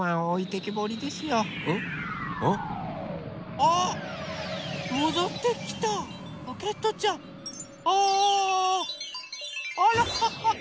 あら。